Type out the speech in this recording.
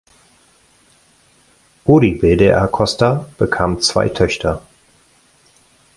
Uribe de Acosta bekam zwei Töchter.